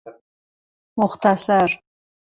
مختصر